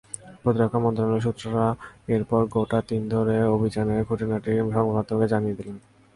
প্রতিরক্ষা মন্ত্রণালয়ের সূত্রেরা এরপর গোটা দিন ধরে অভিযানের খুঁটিনাটি সংবাদমাধ্যমকে জানিয়ে দিলেন।